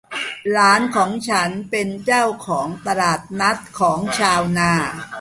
หลานของฉันเป็นเจ้าของตลาดนัดของชาวนา